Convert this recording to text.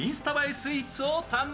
スイーツを堪能。